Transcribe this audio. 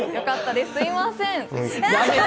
すいません。